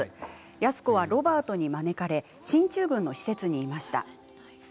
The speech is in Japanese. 安子はロバートに招かれ進駐軍の施設にいました。